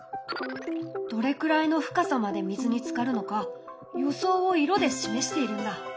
どれくらいの深さまで水につかるのか予想を色で示しているんだ。